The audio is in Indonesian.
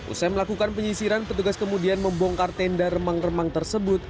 usai melakukan penyisiran petugas kemudian membongkar tenda remang remang tersebut